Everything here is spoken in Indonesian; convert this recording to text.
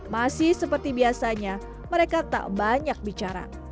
masih seperti biasanya mereka tak banyak bicara